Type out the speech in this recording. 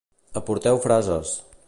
Aporteu frases.